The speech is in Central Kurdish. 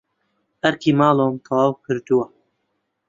ئەرکی ماڵەوەم تەواو کردووە.